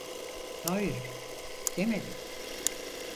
Hayır, demedim.